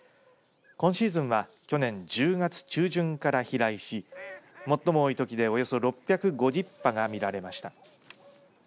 今シーズンは去年１０月中旬から飛来し最も多いときでおよそ６５０羽が見られました。